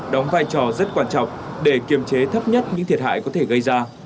đóng vai trò rất quan trọng để kiềm chế thấp nhất những thiệt hại có thể gây ra